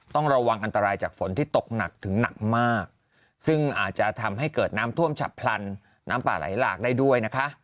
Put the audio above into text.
ต้องระวังอันตรายจากฝนที่ตกหนักถึงหนักมากซึ่งอาจจะทำให้เกิดน้ำท่วมฉับพลันน้ำป่าไหลหลากได้ด้วยนะคะ